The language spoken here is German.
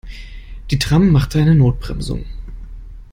Die Tram machte eine Notbremsung.